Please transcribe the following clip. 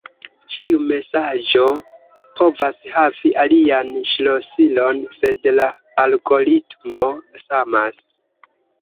Ĉiu mesaĝo povas havi alian ŝlosilon, sed la algoritmo samas.